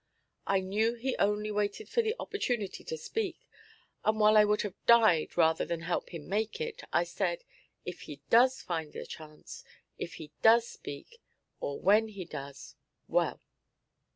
I knew he only waited for the opportunity to speak, and while I would have died rather than help him make it, I said, "If he does find the chance if he does speak, or when he does well!"